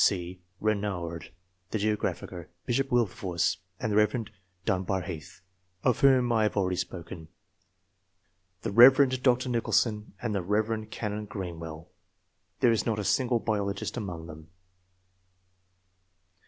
C. Renouard, the geographer ; Bishop Wilberforce, and the Rev. Dunbar Heath, of whom I have abeady spoken ; the Rev. Dr. Nicholson, and the Rev. Canon Greenwell : there is not a single biologist among them.